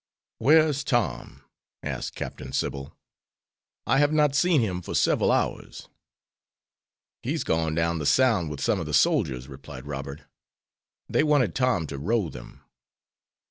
"Where is Tom?" asked Captain Sybil; "I have not seen him for several hours." "He's gone down the sound with some of the soldiers," replied Robert. "They wanted Tom to row them."